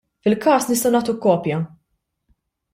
Fil-każ nistgħu nagħtuk kopja.